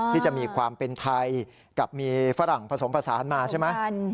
ที่จะมีความเป็นไทยกับมีฝรั่งผสมผสานมาใช่ไหม